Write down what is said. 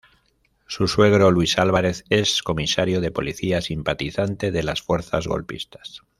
Su suegro, Luis Álvarez, es comisario de policía, simpatizante de las fuerzas golpistas.